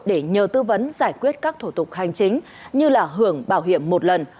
để nhờ tư vấn giải quyết các thủ tục hành chính như hưởng bảo hiểm một lần